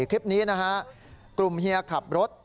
คลิปนี้นะฮะกลุ่มเฮียขับรถ